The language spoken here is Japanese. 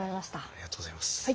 ありがとうございます。